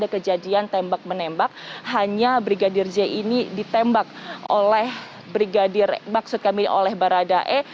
kejadian tembak menembak hanya brigadir j ini ditembak oleh brigadir maksud kami oleh baradae